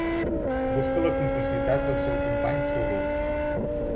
Busca la complicitat del seu company sorrut.